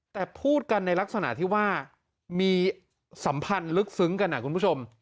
แต่พูดกันในลักษณะที่ว่ามีสัมพันธ์ลึกซึ้งกันคุณผู้ชม